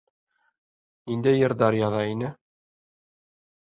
Ниндәй йырҙар яҙа ине.